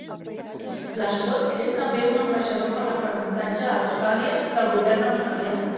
L'Scott és també un Ambaixador per l'aprenentatge a Austràlia del govern australià.